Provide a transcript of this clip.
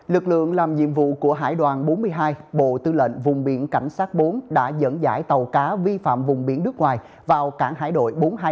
lực lượng làm nhiệm vụ của hải đoàn bốn mươi hai bộ tư lệnh vùng biển cảnh sát bốn đã dẫn dải tàu cá vi phạm vùng biển nước ngoài vào cảng hải đội bốn trăm hai mươi hai